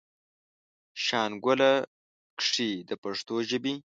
شانګله کښې د پښتو ژبې